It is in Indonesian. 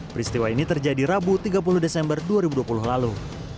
peristiwa ini terjadi rabu tiga puluh desember dua ribu dua puluh lalu